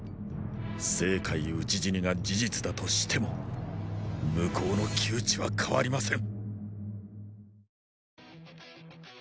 成恢討ち死にが事実だとしても向こうの窮地は変わりません。